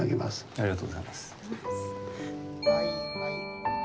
ありがとうございます。